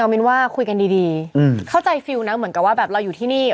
เอาเป็นว่าคุยกันดีดีอืมเข้าใจฟิวนะเหมือนกับว่าแบบเราอยู่ที่นี่